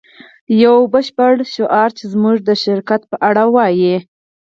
یو بشپړ شعار چې زموږ د شرکت په اړه ووایی